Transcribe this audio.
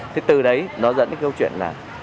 thế từ đấy nó dẫn đến câu chuyện là